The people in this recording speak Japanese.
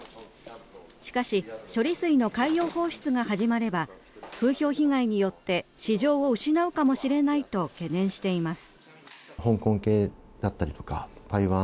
しかし処理水の海洋放出が始まれば風評被害によって市場を失うかもしれないと懸念しています。